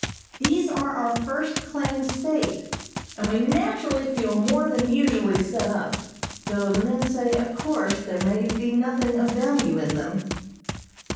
These are our first claims staked, and we naturally feel more than usually set up, though the men say of course there may be nothing of value in them.